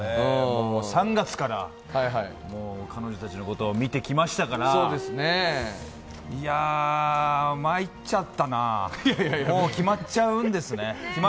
３月から彼女たちのことを見てきましたから、いや、まいっちゃったな、もう決まるんですね。